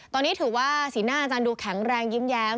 ตอนนี้ถือว่าสีหน้าอาจารย์ดูแข็งแรงยิ้มแย้ม